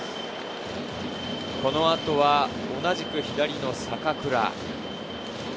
この後は同じく左の坂倉。